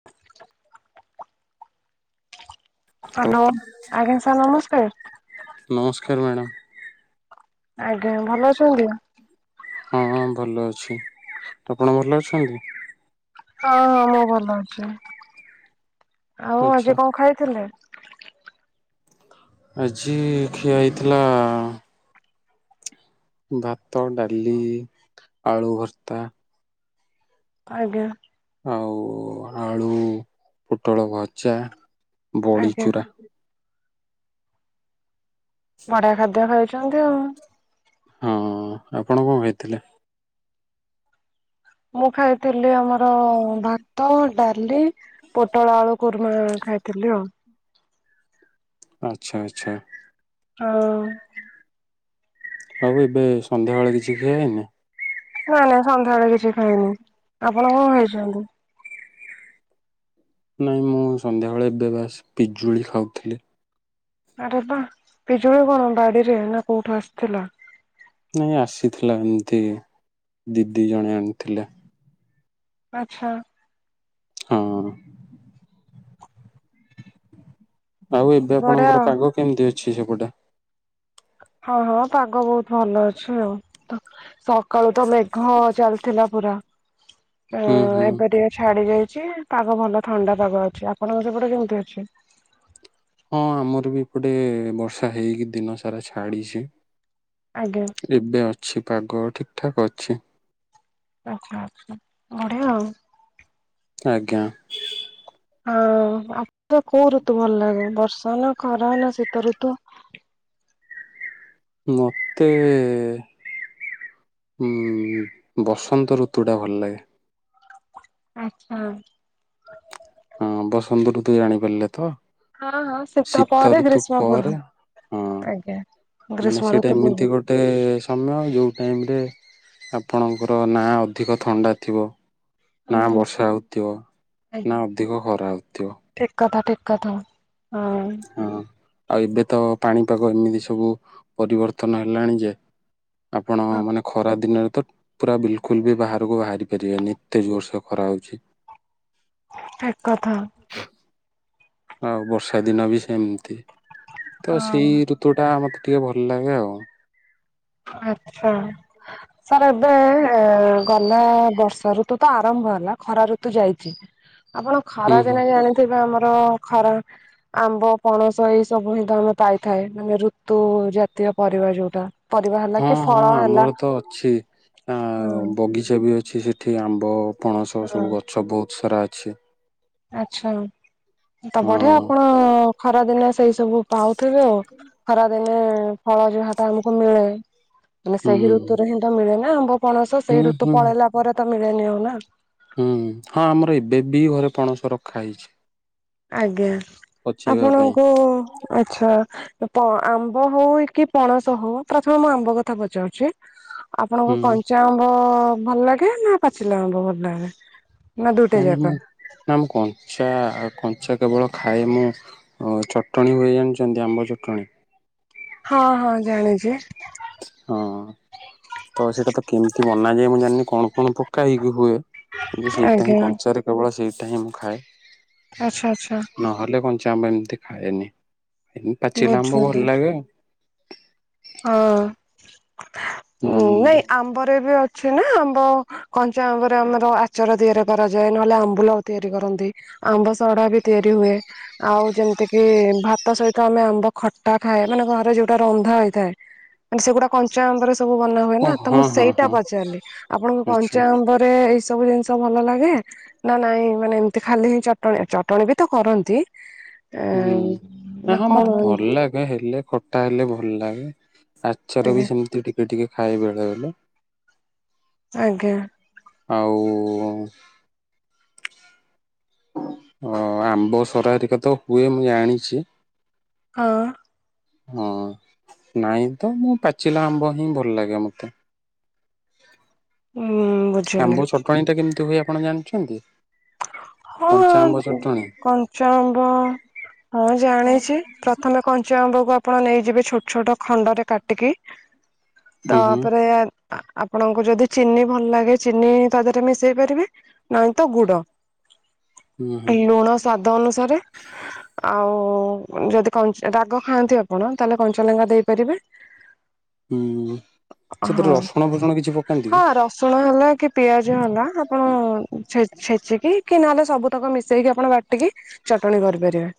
[inaudible] ହଉ ହ୍ୟାଲୋ ଆଜ୍ଞା ସାର୍ ନମସ୍କାର। ନମସ୍କାର ମ୍ୟାଡ଼ାମ୍। ଆଜ୍ଞା ଭଲ ଅଛନ୍ତି? ହଁ ହଁ ଭଲ ଅଛି ଆପଣ ଭଲ ଅଛନ୍ତି? ହଁ ହଁ ମୁଁ ଭଲ ଅଛି ଆଉ ଆଚ୍ଛା ଆଜି କଣ ଖାଇଥିଲେ? ଆଜି ଖିଆ ହେଇଥିଲା ଭାତ, ଡାଲି, ଆଳୁ ଭର୍ତ୍ତା। ଆଜ୍ଞା। ଆଉ ଆଳୁ ପୋଟଳ ଭଜା, ଆଜ୍ଞା ବଡ଼ିଚୁରା। ବଢିଆ ଖାଦ୍ୟ ଖାଇଛନ୍ତି ଆଉ। ହଁ ଆପଣ କଣ ଖାଇଥିଲେ? ମୁଁ ଖାଇଥିଲି ଆମର ଭାତ। ତ ଡାଲି, ପୋଟଳ ଆଳୁ କୁର୍ମା ଖାଇଥିଲି ଆଉ। ଆଚ୍ଛା ଆଚ୍ଛା। ହଁ। ଆଉ ଏବେ ସନ୍ଧ୍ୟାବେଳେ କିଛି ଖିଆ ହେଇନି? ନାଁ ନାଁ ସନ୍ଧ୍ୟାବେଳେ କିଛି ଖାଇନି ଆପଣ କଣ ଖାଇଛନ୍ତି? ନାଇଁ ମୁଁ ସନ୍ଧ୍ୟାବେଳେ ଏବେ ବାସ୍ ପିଜୁଳି ଖାଉଥିଲି। ଆରେ ବା ପିଜୁଳି କଣ ବାଡିରେ ନା କୋଉଠୁ ଆସିଥିଲା? ନାଇଁ ଆସିଥିଲା ଏମିତି ଦିଦି ଜଣେ ଆଣିଥିଲା। ଆଚ୍ଛା। ହଁ। ଆଉ ଏବେ ବଢିଆ ଆପଣଙ୍କର ପାଗ କେମିତି ଅଛି ସେପଟେ? ହଁ ହଁ ପାଗ ବହୁତ ଭଲ ଅଛି ଆଉ। [unintelligible] ସକାଳୁ ତ ମେଘ ଚାଲିଥିଲା ପୁରା। ହୁଁ ହୁଁ ଏବେ ଟିକେ ଛାଡି ଯାଇଛି ପାଗ ଭଲ ଥଣ୍ଡା ପାଗ ଅଛି ଆପଣଙ୍କ ସେପଟେ କେମିତି ଅଛି? ହଁ ଆମର ବି ଏପଟେ ବର୍ଷା ହେଇକି ଦିନ ସାରା ଛାଡିଛି। ଆଜ୍ଞା। ଏବେ ଅଛି ପାଗ ଠିକ ଠାକ୍ ଅଛି। ଆଚ୍ଛା ଆଚ୍ଛା ବଢିଆ ଆଉ। ଆଜ୍ଞା। ହଁ ଆପଣଙ୍କୁ କୋଉ ଋତୁ ଭଲ ଲାଗେ ବର୍ଷା, ନା ଖରା, ନା ଶୀତଋତୁ? ମୋତେ। ହୁଁ ବସନ୍ତ ଋତୁ ଟା ଭଲ ଲାଗେ। ଆଚ୍ଛା। ହଁ ବସନ୍ତ ଋତୁ ଜାଣିପାରିଲେ ତ ହଁ ହଁ ଶୀତ ପରେ ଋତୁ ଗ୍ରୀଷ୍ମ ପୂର୍ବ ପରେ ହଁ ଆଜ୍ଞା। ମାନେ ଗ୍ରୀଷ୍ମ ସେଟା ଋତୁ ପୂର୍ବ ଏମିତି ଗୋଟେ ସମୟ ଯୋଉ ଟାଇମ ରେ ଆପଣଙ୍କର ନା ଅଧିକ ଥଣ୍ଡା ଥିବ ନା ହୁଁ ବର୍ଷା ହଉଥିବ ଆଜ୍ଞା ନା ଅଧିକ ଖରା ହଉଥିବ। ଠିକ କଥା ଠିକ କଥା ହଁ ହଁ ଆଉ ଏବେ ତ ପାଣିପାଗ ଏମିତି ସବୁ ପରିବର୍ତ୍ତନ ହେଲାଣି ଯେ ଆପଣ ମାନେ ଖରା ଦିନରେ ତ ପୁରା ବିଲକୁଲ ବି ବାହାରକୁ ବାହାରି ପାରିବେନିି ଏତେ ଜୋରସେ ଖରା ହେଉଛି। ଠିକ କଥା ଆଉ ବର୍ଷା ଦିନ ବି ସେମିତି ତ ହଁ ସେଇ ଋତୁଟା ମୋତେ ଟିକେ ଭଲ ଲାଗେ ଆଉ ଆଚ୍ଛା ସାର୍ ଏବେ ଗଲା ବର୍ଷା ଋତୁ ତ ଆରମ୍ଭ ହେଲା ଖରା ଋତୁ ଯାଇଛି। ଆପଣ ହୁଁ ଖରା ହୁଁ ଦିନ ଜାଣିଥିବେ ଆମର ଖରା ଆମ୍ବ ପଣସ ଏଇ ସବୁ ହିଁ ତ ଆମେ ପାଇଥାଏ ମାନେ ଋତୁ ଜାତୀୟ ପରିବା ଯୋଉଟା ପରିବା ହେଲା ହଁ କି ହଁ ଫଳ ହେଲା ଆମର ତ ଅଛି ଆ ହଁ। ବଗିଚା ବି ଅଛି ସେଠି ଆମ୍ବ ପଣସ ସବୁ ଗଛ ବହୁତ ସାରା ଅଛି। ଆଚ୍ଛା ତ ବଢିଆ ହଁ ଆପଣ ଖରାଦିନିଆ ସେଇ ସବୁ ପାଉଥିବେ ଆଉ ଖରାଦିନେ ଫଳ ଯାହାଟା ଆମକୁ ମିଳେ ମାନେ ହୁଁ ସେଇ ଋତୁରେ ହିଁ ତ ମିଳେ ନା ଆମ୍ବ ପଣସ ହୁଁ ସେଇ ଋତୁ ହୁଁ ପଳେଇଲା ପରେ ତ ମିଳେନି ଆଉ ନା ହୁଁ ହଁ ଆମର ଏବେ ବି ଘରେ ପଣସ ରଖା ହେଇଛି। ଆଜ୍ଞା ପଚେଇବା ପାଇଁ ଆପଣଙ୍କୁ ଆଚ୍ଛା ଉପ ଆମ୍ବ ହଉ କି ପଣସ ହଉ ପ୍ରଥମେ ମୁଁ ଆମ୍ବ କଥା ପଚାଉଛି। ଆପଣଙ୍କୁ ହୁଁ କଞ୍ଚା ଆମ୍ବ ଭଲ ଲାଗେ ନା ପାଚିଲା ଆମ୍ବ ଭଲ ଲାଗେ? ନା ଦୁଇଟା ନାଇ ନାଇଁ ଯାକ ମୁଁ ନା ମୁଁ କଞ୍ଚା କଞ୍ଚା କେବଳ ଖାଏ ମୁଁ ହଁ ଚଟଣି ହୁଏ ଜାଣିଛନ୍ତି ଆମ୍ବ ଚଟଣି ହଁ ହଁ ଜାଣିଛି। ହଁ ତ ସେଇଟା ତ କେମିତି ବନାଯାଏ ମୁଁ ଜାଣିନି କଣ କଣ ପକା ହେଇକି ହୁଏ। କିନ୍ତୁ ସେଇଟା ହିଁ ଆଜ୍ଞା କଞ୍ଚାରେ କେବଳ ସେଇଟା ହିଁ ମୁଁ ଖାଏ। ଆଚ୍ଛା ଆଚ୍ଛା ନହେଲେ କଞ୍ଚା ଆମ୍ବ ଏମିତି ଖାଏନି ହଁ ପାଚିଲା ଆମ୍ବ ବୁଝିଲି ଭଲ ଲାଗେ। ହଁ ହୁଁ ନାଇଁ ଆମ୍ବରେ ଏବେ ଅ ଅଛି ନା ଆମ୍ବ କଞ୍ଚା ଆମ୍ବରେ ଆମର ଆଚାର ତିଆରି କରାଯାଏ ନହେଲେ ଆମ୍ବୁଲ ତିଆରି କରନ୍ତି। ଆମ୍ବ ସଢା ବି ତିଆରି ହୁଏ। ଆଉ ଯେମିତି କିି ଭାତ ସହିତ ଆମେ ଆମ୍ବ ଖଟା ଖାଏ ମାନେ ଘରେ ଯୋଉଟା ରନ୍ଧା ହେଇ ଥାଏ ମାନେ ସେଗୁଡାକ କଞ୍ଚା ଆମ୍ବରେ ସବୁ ବନା ହୁଏ ଓ ନା ତ ହଁ ମୁଁ ହଁ ସେଇଟା ହଁ ପଚାରିଲି ଆପଣଙ୍କୁ ଆଚ୍ଛା କଞ୍ଚା ଆମ୍ବରେ ଏଇ ସବୁ ଜିନିଷ ତ ଭଲ ଲାଗେ ନା ନାଇଁ ମାନେ ଏମିତି ଖାଲି ହିଁ ଚଟଣି ଚଟଣି ବି ତ କରନ୍ତି। ହୁଁ ନା ହଁ ମତେ ଭଲ ଲାଗେ ହେଲେ ଖଟା ହେଲେ ଭଲ ଲାଗେ। ଆଚାର ଆଜ୍ଞା ବି ସେମିତି ଟିକେ ଟିକେ ଖାଏ ବେଳେବେଳେ ଆଜ୍ଞା ଆଉ ହଁ ଆମ୍ବ ସରା ଏରିକା ତ ହୁଏ ମୁଁ ଜାଣିଛି। ହଁ ହଁ ନାଇଁ ତ ମୁଁ ପାଚିଲା ଆମ୍ବ ହିଁ ଭଲ ଲାଗେ ମତେ [inaudible] ବୁଝିଲି ଆମ୍ବ ଚଟଣୀ ଟା କେମିତି ହୁଏ ଆପଣ ଜାଣିଛନ୍ତି? ହଁ କଞ୍ଚା ଆମ୍ବ ଉଁ ଚଟଣି କଞ୍ଚା ଆମ୍ବ ହଁ ଜାଣିଚି। ପ୍ରଥମେ କଞ୍ଚା ଆମ୍ବକୁ ଆପଣ ନେଇଯିବେ ଛୋଟ ଛୋଟ ଖଣ୍ଡ ରେ କାଟିକି। ହୁଁ ତା ହୁଁ ପରେ ଆନ୍ ଆପଣଙ୍କୁ ଯଦି ଚିନି ଭଲ୍ ଲାଗେ ଚିନି ତା ଦେହରେ ମିଶେଇ ପାରିବେ ନହେନେ ତ ଗୁଡ। ହୁଁ ଲୁଣ ସ୍ଵାଦ ଅନୁସାରେ। ଆଉ ଯଦି କଞ୍ଚ ରାଗ ଖାଆନ୍ତି ଆପଣ ତାହେଲେ କଞ୍ଚାଲଙ୍କା ଦେଇପାରିବେ। [inaudible] ହୁଁ ସେଥିରେ ରସୁଣ ଫସୁଣ କିଛି ପକାନ୍ତି କି? ସୁଣ ହେଲା କି ପିଆଜ ହେଲା ଆପଣ ଛେ ଛେଚିକି କି ନହେଲେ ସବୁ ତକ ମିଶେଇକି ଆପଣ ବାଟିକି ଚଟଣି କରିପାରିବେ।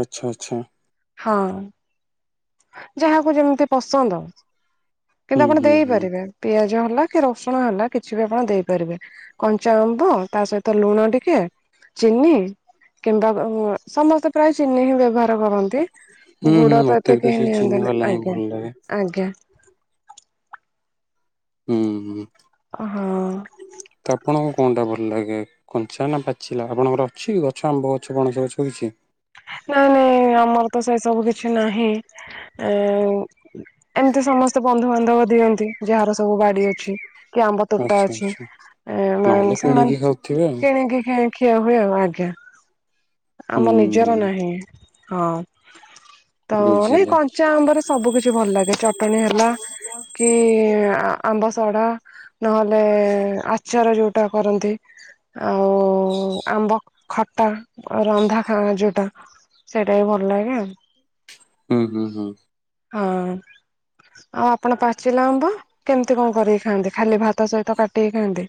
ଆଚ୍ଛା ଆଚ୍ଛା। ହଁ। ଯାହାକୁ ଯେମିତି ପସନ୍ଦ କିନ୍ତୁ ହୁଁ ଆପଣ ହୁଁ ହୁଁ ଦେଇପାରିବେ। ପିଆଜ ହେଲା କି ରସୁଣ ହେଲା କିଛି ବି ଆପଣ ଦେଇପାରିବେ। କଞ୍ଚା ଆମ୍ବ ତା ସହିତ ଲୁଣ ଟିକେ ଚିନି। କିମ୍ବା ବ ଭ ସମସ୍ତେ ପ୍ରାୟ ଚିନି ହିଁ ବ୍ୟବହାର କରନ୍ତି। ଉଁ ଗୁଡ ହୁଁ ଏତେ ମତେ ବି ତ କେହି ସେଇ ନିଅନ୍ତିନି ଚିନିବାଲା ହିଁ ଆଜ୍ଞା ଭଲ୍ ଲାଗେ। ଆଜ୍ଞା। ଉଁ ହୁଁ। ଓ ହଁ। ତ ଆପଣଙ୍କୁ କଁଟା ଭଲ୍ ଲାଗେ? କଞ୍ଚା ନା ପାଚିଲା ଆପଣଙ୍କର ଅଛି ଗଛ ଆମ୍ବ ଗଛ ପଣସ ଗଛ କିଛି? ନାଇଁ ନାଇଁ ଆମର ତ ସେଇ ସବୁ କିଛି ନାହିଁ ଏଁ ଏମ୍ତି ସମସ୍ତେ ବନ୍ଧୁବାନ୍ଧବ ଦିଅନ୍ତି ଯାହାର ସବୁ ବାଡି ଅଛି। କି ଆମ୍ବ ତୋଟା ଆଚ୍ଛା ଅଛି ଆଚ୍ଛା ଏଁ ମା ନହେଲେ ସେମାନେ କିଣିକି ଖାଉଥିବେ ଆଉ କିଣିକି ଖାଏ। ଖିଆ ହୁଏ ଆଉ ଆଜ୍ଞା ଆମ ନିଜର ହୁଁ ନାହିଁ। ହଁ ତ ନାଇଁ ବୁଝିଲେ କଞ୍ଚା ଆମ୍ବରେ। ସବୁ କିଛି ଭଲ୍ ଲାଗେ ଚଟଣୀ ହେଲା କି ଆମ୍ବ ସଢା। ନହେଲେ ଆଚାର ଯୋଉଟା କରନ୍ତି। ଆଉ ଆମ୍ବ ଖଟା ରନ୍ଧା ଖାଁ ଯୋଉ ଟା ସେଇଟା ବି ଭଲ୍ ଲାଗେ ଆଉ। ହୁଁ ହୁଁ ହୁଁ। ହଁ ଆଉ ଆପଣ ପାଚିଲା ଆମ୍ବ? କେମ୍ତି କଁ କରିକି ଖାଆନ୍ତି ଖାଲି ଭାତ ସଇତ କାଟିକି ଖାଆନ୍ତି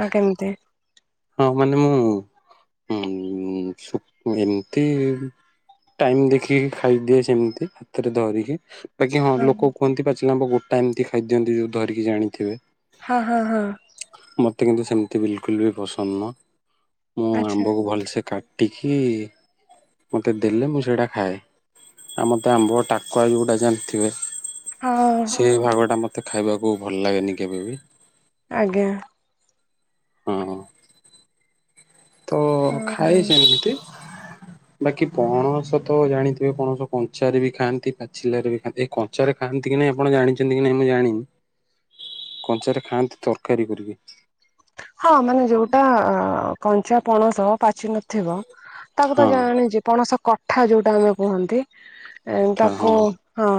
ନା କେମ୍ତି? ହଁ ମାନେ ମୁଁ ହୁଁ ସୁ ଏମ୍ତି ଟାଇମ୍ ଦେଖିକି ଖାଇଦିଏ ସେମ୍ତି ହାତରେ ଦରିକି। ବାକି ହଁ ଲୋକ କୁହନ୍ତି ପାଚିଲା ଆମ୍ବ ଗୋଟା ଏମ୍ତି ଖାଇଦିଅନ୍ତି ଯୋଉ ଧରିକି ଜାଣିଥିବେ? ହଁ ହଁ ହଁ। ମୋତେ କିନ୍ତୁ ସେମ୍ତି ବିଲକୁଲ୍ ବି ପସନ୍ଦ ନୁହଁ ମୁଁ ଆଚ୍ଛା ଆମ୍ବକୁ ଭଲ୍ସେ କା ଟିକି ମତେ ଦେଲେ ମୁଁ ସେଇଟା ଖାଏ। ଆମ ତ ଆମ୍ବ ଟାକୁଆ ଯୋଉଟା ଜାଣିଥିବେ? ହଁଅଁ। ସେଇ ଭାଗ ଟା ମତେ ଖାଇବାକୁ ଭଲ୍ ଲାଗେନି କେବେ ବି। ଆଜ୍ଞା। ହଁ ତ ହଁ। ଖାଏ ସେମିତି ବାକି ପଣସ ତ ଜାଣିଥିବେ ପଣସ କଞ୍ଚାରେ ବି ଖାଆନ୍ତି ପାଚିଲାରେ ବି ଖାଆନ୍ତି ଏ କ କଞ୍ଚାରେ କି ଖାଆନ୍ତି କି ନାହିଁ ଆପଣ ଜାଣିଚନ୍ତି କି ନାହିଁ ମୁଁ ଜାଣିନି। କଞ୍ଚାରେ ଖାଆନ୍ତି ତରକାରୀ କରିକି। ହଁ ମାନେ ଯୋଉଟା କଞ୍ଚା ପଣସ ପାଚି ନ ଥିବ ତାକୁ ତ ହଁ ଜାଣିଚି ପଣସ କଠା ଯୋଉଟା ଆମେ କୁହନ୍ତି। ଏଁ ପିଠା ହଁ ତାକୁ ହଁ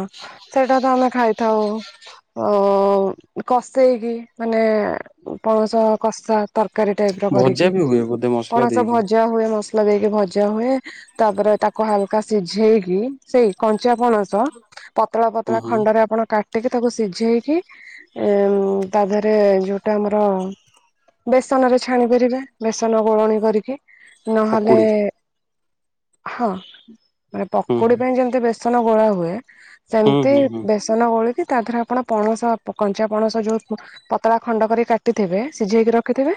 ସେଇଟା ତ ଆମେ ଖାଇଥାଉ। ଅଁ କଷେଇକି ମାନେ ପଣସ କଷା। ତରକାରୀ ଟାଇପର ଭଜା କରିକି ବି ହୁଏ ବୋଧେ ମସଲା ପଣସ ଦେଇକି ଭଜା ହୁଏ ମସଲା ଦେଇକି ଭଜା ହୁଏ ତାପରେ ତାକୁ ହାଲୁକା ସିଝେଇକି ସେଇ କଞ୍ଚା ପଣସ ପତଳା ହୁଁ ପତଳା ହୁଁ ଖଣ୍ଡରେ ଆପଣ କା କାଟିକି ତାକୁ ସିଝେଇକି ଏଁ ତା ଦେହରେ ଯୋଉଟା ଆମର ବେସନରେ ଛାଣି ପାରିବେ ବେସନ ଗୋଳଣି କରିକି ନହେଲେ ପକୁଡି ହଁ ମାନେ ହୁଁ ପକୁଡି ପାଇଁ ଯେମିତି ବେସନ ଗୋଳା ହୁଏ। ହୁଁ ସେମିତି ହୁଁ ହୁଁ ବେସ୍ ହୁଁ ବେସନ ଗୋଳିକି ତା ଦିହରେ ଆପଣ ପଣସ କଞ୍ଚା ପଣସ ଯୋଉ ପତଳା ଖଣ୍ଡ କରି କାଟିଥିବେ ସିଝେଇକି ରଖିଥିବେ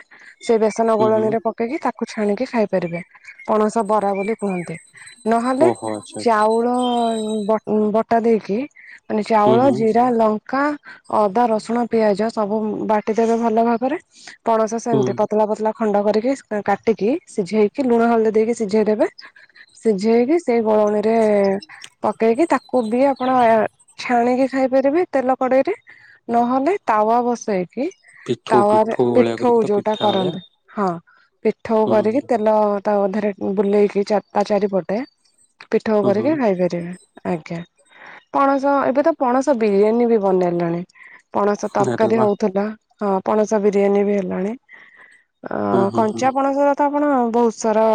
ସେ ବେସନ ହୁଁ ହୁଁ ଗୋଳଣିରେ ପକ୍ ପକେଇକି ତାକୁ ଛାଣିକି ଖାଇ ପାରିବେ ପଣସ ବରା ବୋଲି କୁହନ୍ତି, ନହେଲେ ଓହୋ ଆଚ୍ଛା ଆଚ୍ଛା ଚାଉଳ ବଟ୍ ବଟା ଦେଇକି ମାନେ ହୁଁ ଚାଉଳ, ହୁଁ ଜିରା, ଲଙ୍କା, ଅଦା, ରସୁଣ, ପିଆଜ ସବୁ ବାଟିଦେବେ ଭଲ ଭାବରେ ପଣସ ହୁଁ ସେମିତି ପତ୍ ପତଳା ପତଳା ଖଣ୍ଡ କରିକି କାଟିକି ସିଝେଇକି ଲୁଣ ହଳଦୀ ଦେଇକି ସିଝେଇଦେବେ ସିଝେଇକି ସେଇ ଗୋଳଣିରେ ପକ୍ ପକେଇକି ତାକୁ ବି ଆପଣ ଏଁ ଛାଣିକି ଖାଇପାରିବେ ତେଲ କଡେଇରେ। ନହେଲେ ତାୱା ବସେଇକି ପିଠଉ ତାୱାରେ ପିଠଉ। ଭଳିଆ ପିଠଉ କରିକି ତ ଯୋଉଟା ପିଠା ଭଳିଆ କରନ୍ତି। ହଁ ପିଠଉ ହୁଁ କରିକି ହୁଁ ତେଲ ତା ଅଧାରେ ବୁଲେଇକି ଚାରି ତା ଚାରିପଟେ ପିଠଉ ହୁଁ କରିକି ଖାଇବେ। ଖାଇବେ ଆଜ୍ଞା ପଣସ ଏବେ ତ ପଣସ ବିରିୟାନୀ ବି ବନେଇଲେଣି। ପଣସ ହୁଁ ଆରେ ତରକାରୀ ବା ହଉଥିଲା, ହଁ ପଣସ ବିରିୟାନୀ ବି ହେଲାଣି। ହୁଁ ଆଁ ହୁଁ ହୁଁ କଞ୍ଚାପଣସ ତ ଆପଣ ବହୁତ ସାରା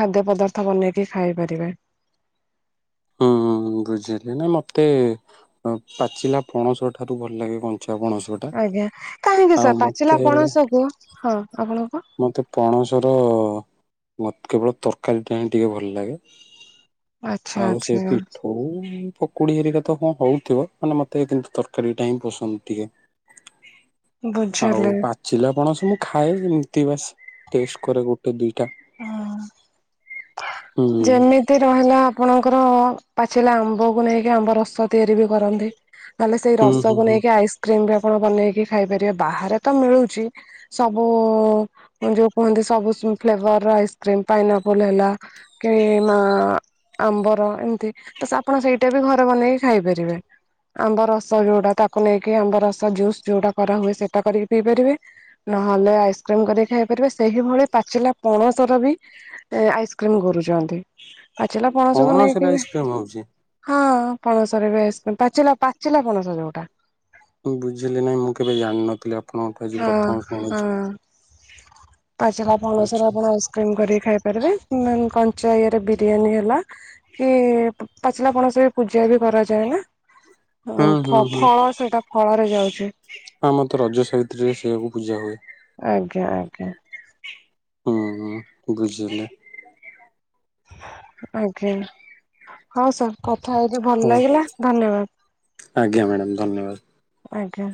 ଖାଦ୍ୟ ପଦାର୍ଥ ବନେଇକି ଖାଇ ପାରିବେ। ହଁ ବୁଝିଲି ନା ମତେ ଅଁ ପାଚିଲା ପଣସ ଠାରୁ ଭଲ ଲାଗେ କଞ୍ଚା ପଣସ। ଟା ଆଜ୍ଞା କାହିଁକି ଆଉ ସାର୍ ପାଚିଲା ମତେ ପଣସ କୁ ହଁ ଆପଣଙ୍କ ମୋତେ ପଣସର ମତ କେବଳ ତରକାରୀଟା ହିଁ ଟିକେ ଭଲ ଲାଗେ। ଆଚ୍ଛା ଆଉ ସେ ଆଚ୍ଛା ପିଠ୍ ଉ ପକୁଡି ହେରିକା ତ କଣ ହଉଥିବ ମାନେ ମତେ କିନ୍ତୁ ତରକାରୀ ଟା ହିଁ ପସନ୍ଦ ଟିକେ। [inaudible] ଆଉ ବୁଝିଲି ପାଚିଲା ପଣସ ମୁଁ ଖାଏ ଏମିତି ବାସ୍ ଟେଷ୍ଟ କରେ ଗୋଟେ ଦୁଇ ଅଁ। ହୁଁ। ଯେମିତି ରହିଲା ଆପଣଙ୍କର ପାଚିଲା ଆମ୍ବକୁ ନେଇକି ଆମ୍ବ ରସ ତିଆରି ବି କରନ୍ତି। ମାନେ ସେଇ ହୁଁ ହୁଁ ରସକୁ ହୁଁ ନେଇକି ଆଇସ୍କ୍ରିମ ବି ଆପଣ ବନେଇକି ଖାଇପାରିବେ ବାହାରେ ତ ମିଳୁଛି। ସବୁ ଯୋଉ କୁହନ୍ତି ସବୁ ଫ୍ଲେଭର ର ଆଇସ୍କ୍ରିମ ପାଇନାପୋଲ ହେଲା। କି ମା ଆମ୍ବର ଏମିତି ତ ଆପଣ ସେଇଟା ବି ଘରେ ବନେଇକି ଖାଇପାରିବେ। ଆମ୍ବ ରସ ଯୋଉଟା ତାକୁ ନେଇକି ଆମ୍ବ ରସ ଜୁସ୍ ଯୋଉଟା କରାହୁଏ ସେଟା କରିକି ପିଇ ପାରିବେ। ନହେଲେ ଆଇସ୍କ୍ରିମ କରିକି ଖାଇ ପାରିବେ ସେହିଭଳି ପାଚିଲା ପଣସର ବି ଏଁ ଆଇସ୍କ୍ରିମ କରୁଚନ୍ତି ପାଚିଲା ପଣସକୁ ପଣସରେ ନେଇକି ବି ଆଇସ୍କ୍ରିମ୍ ହଉଛି। ହଁ ପଣସରେ ବି ଆଇସକ୍ରିମ ପାଚିଲା ପାଚିଲା ପଣସ ଯୋଉଟା। ବୁଝିଲି ନାଇଁ ମୁଁ କେବେ ଜାଣିନଥିଲି ଆ ହଁ ହଁ ପାଚିଲା ଆଚ୍ଛା। ପଣସର ଆପଣ କ୍ରିମ କରିକି ଖାଇ ପାରିବେ [unintelligible] କଞ୍ଚା ଇରେ ବିରିୟାନୀ ହେଲା। କି ପାଚିଲା ପଣସ ବି ପୂଜା ବି କରାଯାଏ ନା। ହଁ ହୁଁ ଫ ହୁଁ ହୁଁ ଫଳ ସେଇଟା ଫଳରେ ଯାଉଚି। ଆମର ତ ରଜ ସାବିତ୍ରୀରେ ସେଇଆକୁ ପୂଜା ହୁଏ। ଆଜ୍ଞା ଆଜ୍ଞା। ହୁଁ ହୁଁ ବୁଝିହେଲା। ଆଜ୍ଞା। ହଁ ସାର୍ କଥା ହେଇକି ଭଲ ହଉ ଲାଗିଲା ଆଜ୍ଞା ମ୍ୟାଡାମ ଧନ୍ୟବାଦ। ଧନ୍ୟବାଦ। ଆଜ୍ଞା।